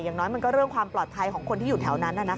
อย่างน้อยมันก็เรื่องความปลอดภัยของคนที่อยู่แถวนั้น